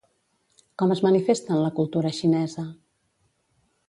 Com es manifesta en la cultura xinesa?